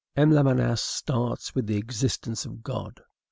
M. Lamennais starts with the existence of God.